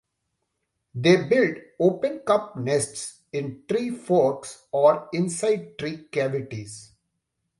They build open-cup nests in tree-forks or inside tree cavities.